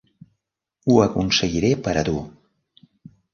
Ho aconseguiré per a tu.